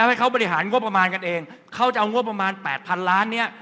เอาเศรษฐกิจนำก็เอาทหารออกไป